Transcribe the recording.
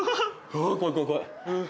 あ怖い怖い怖い。